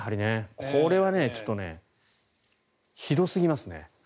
これはちょっと、ひどすぎますね。